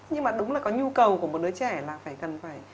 nhưng mà đúng là có nhu cầu của một đứa trẻ là phải cần phải